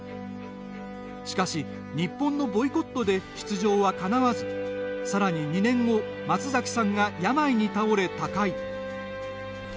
しかし、日本のボイコットで出場はかなわず、さらに２年後松崎さんが病に倒れ、他界。